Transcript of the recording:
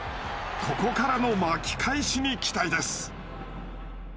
ここからの巻き返しに期待です。